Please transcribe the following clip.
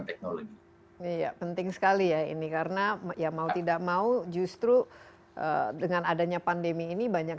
teknologi iya penting sekali ya ini karena ya mau tidak mau justru dengan adanya pandemi ini banyak